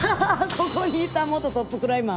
ここにいた元トップクライマー。